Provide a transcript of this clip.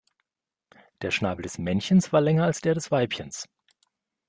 Der Schnabel des Männchens war länger als der des Weibchens.